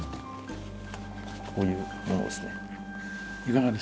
こういうものですね。